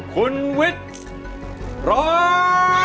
คุณวิทย์ร้อง